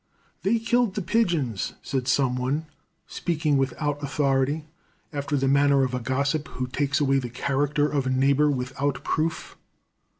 "They killed the pigeons," said someone, speaking without authority, after the manner of a gossip who takes away the character of a neighbor without proof.